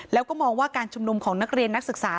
แล้วก็มองว่าการชุมนุมของนักเรียนนักศึกษา